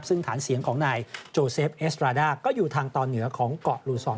ซึ่งฐานเสียงของนายโจเซฟเอสตราด้าก็อยู่ทางตอนเหนือของเกาะลูซอน